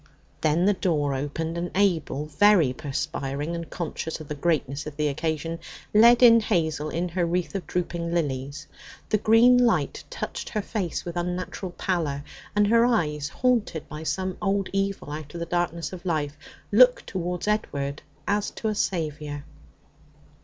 Then the door opened, and Abel, very perspiring, and conscious of the greatness of the occasion, led in Hazel in her wreath of drooping lilies. The green light touched her face with unnatural pallor, and her eyes, haunted by some old evil out of the darkness of life, looked towards Edward as to a saviour.